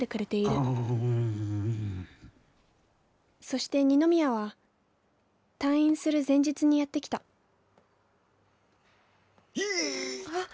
そして二宮は退院する前日にやって来たいいっ！